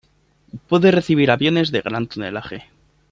Puede recibir aviones de gran tonelaje.